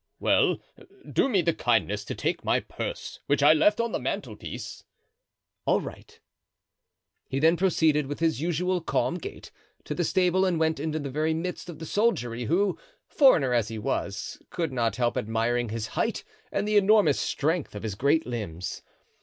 "Well, do me the kindness to take my purse, which I left on the mantelpiece." "All right." He then proceeded, with his usual calm gait, to the stable and went into the very midst of the soldiery, who, foreigner as he was, could not help admiring his height and the enormous strength of his great limbs.